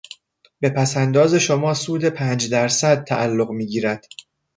به پس انداز شما سود پنج درصد تعلق میگیرد.